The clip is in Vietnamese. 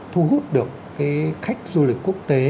thu hút được cái khách du lịch quốc tế